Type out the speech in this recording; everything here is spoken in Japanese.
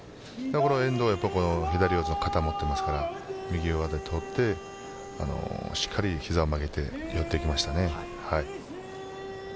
遠藤は左四つが固まっていますから右上手を取ってしっかり膝を曲げてやっていきましたね。